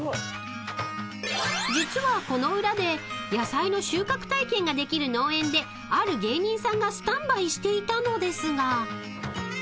［実はこの裏で野菜の収穫体験ができる農園である芸人さんがスタンバイしていたのですが］